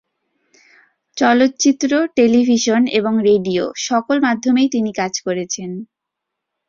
চলচ্চিত্র, টেলিভিশন এবং রেডিও- সকল মাধ্যমেই তিনি কাজ করেছেন।